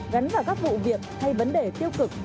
gắn vào các vụ việc hay vấn đề tiêu cực